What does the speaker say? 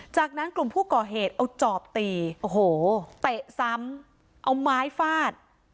จากนั้นกลุ่มผู้ก่อเหตุเอาจอบตีโอ้โหเตะซ้ำเอาไม้ฟาด